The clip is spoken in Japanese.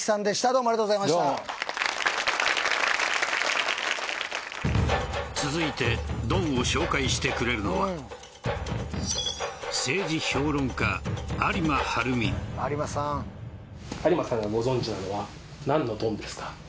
どうも続いてドンを紹介してくれるのは有馬さんがご存じなのは何のドンですか？